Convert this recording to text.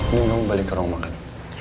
nunggu balik ke rumah kan